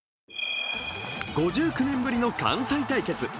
５９年ぶりの関西対決。